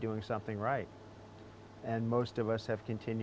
dan kebanyakan dari kami telah teruskan sejak itu